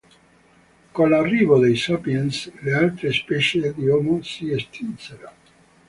Con l’arrivo dei Sapiens le altre specie di homo si estinsero.